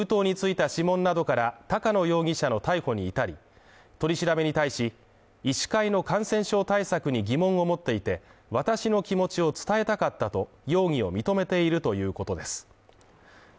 封筒については指紋などから高野容疑者の逮捕に至り、取り調べに対し、医師会の感染症対策に疑問を持っていて、私の気持ちを伝えたかったと容疑を認めているということです。